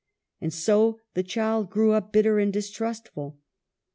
And so the child grew up bitter and distrustful.